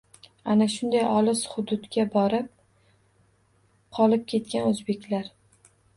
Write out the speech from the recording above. Ana shunday olis hududga borib qolib ketgan o‘zbeklar